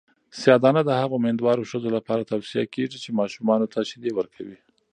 سیاه دانه د هغو میندوارو ښځو لپاره توصیه کیږي چې ماشومانو ته شیدې ورکوي.